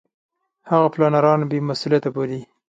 هغه پلانران بې مسولیته بولي.